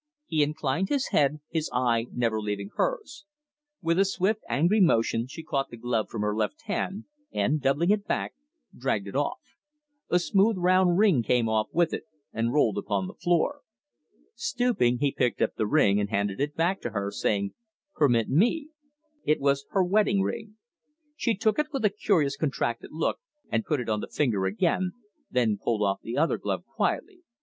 He inclined his head, his eye never leaving hers. With a swift angry motion she caught the glove from her left hand, and, doubling it back, dragged it off. A smooth round ring came off with it and rolled upon the floor. Stooping, he picked up the ring, and handed it back to her, saying: "Permit me." It was her wedding ring. She took it with a curious contracted look and put it on the finger again, then pulled off the other glove quietly.